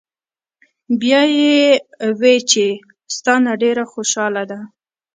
" بیا ئې وې چې " ستا نه ډېره خوشاله ده